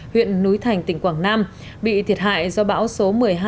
huyện núi thành tỉnh quảng nam bị thiệt hại do bão số một mươi hai